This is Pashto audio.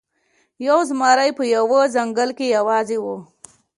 یو زمری په یوه ځنګل کې یوازې و.